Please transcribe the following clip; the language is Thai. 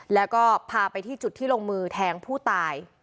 แล้วก็พาไปที่จุดที่ลงมือแทงผู้ตาย